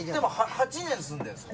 ８年住んでるんですよ。